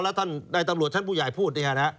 แล้วท่านใดตำรวจท่านผู้ใหญ่พูดนะคะ